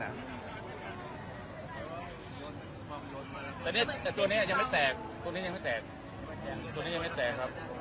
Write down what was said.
แต่ตัวนี้ยังไม่แตกตัวนี้ยังไม่แตกตัวนี้ยังไม่แตกครับ